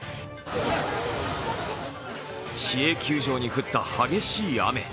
市営球場に降った激しい雨。